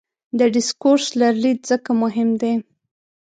د ډسکورس لرلید ځکه مهم دی.